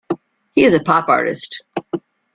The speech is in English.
He is a pop artist.